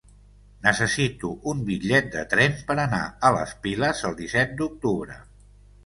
Necessito un bitllet de tren per anar a les Piles el disset d'octubre.